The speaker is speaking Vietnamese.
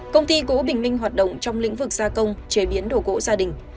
công ty gỗ bình minh hoạt động trong lĩnh vực gia công chế biến đồ gỗ gia đình